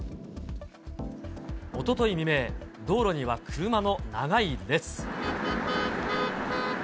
おととい未明、道路には車の長い列。